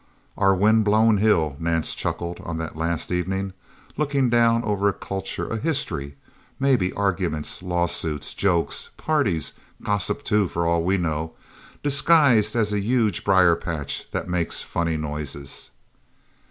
"Our wind blown hill," Nance chuckled on that last evening. "Looking down over a culture, a history maybe arguments, lawsuits, jokes, parties; gossip too, for all we know disguised as a huge briar patch that makes funny noises."